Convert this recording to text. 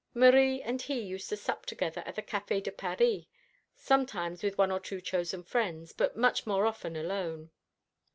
Marie and he used to sup together at the Café de Paris, sometimes with one or two chosen friends, but much more often alone.